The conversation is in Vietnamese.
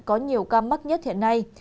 có nhiều ca mắc nhất hiện nay